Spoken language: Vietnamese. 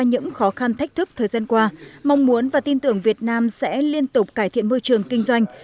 những khó khăn thách thức thời gian qua mong muốn và tin tưởng việt nam sẽ liên tục cải thiện môi trường kinh doanh